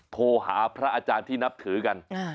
ทวยอาจารย์ที่นับถือกัน